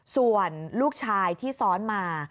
ส่วนลูกชายที่ซ้อนมา